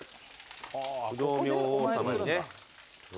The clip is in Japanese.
不動明王さまにね。